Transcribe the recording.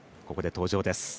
ここで登場です。